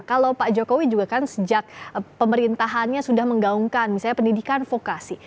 kalau pak jokowi juga kan sejak pemerintahannya sudah menggaungkan misalnya pendidikan vokasi